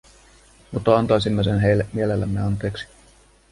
Mutta antaisimme sen heille mielellämme anteeksi.